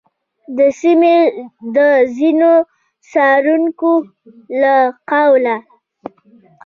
د سیمې د ځینو څارونکو له قوله،